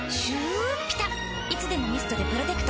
いつでもミストでプロテクト。